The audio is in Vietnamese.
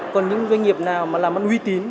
còn những doanh nghiệp nào làm ăn uy tín